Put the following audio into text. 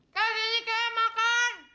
ke sini ke makan